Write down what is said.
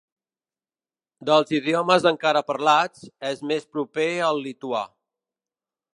Dels idiomes encara parlats, és més proper al lituà.